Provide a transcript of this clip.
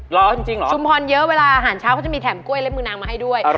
ร้อนจริงเหรอชุมพรเยอะเวลาอาหารเช้าเขาจะมีแถมกล้วยเล็บมือนางมาให้ด้วย